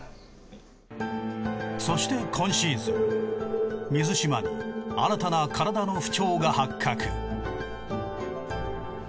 そして今シーズン水嶋に新たな身体の不調が発覚。